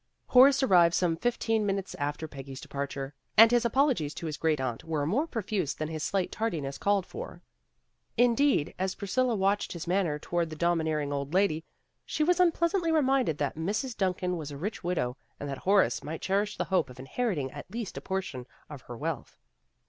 Horace arrived some fifteen minutes after Peggy's departure, and his apologies to his great aunt were more profuse than his slight tardiness called for. Indeed, as Priscilla watched his manner toward the domineering old lady, she was unpleasantly reminded that Mrs. Duncan was a rich widow, and that Horace might cherish the hope of inheriting at least a portion of her wealth.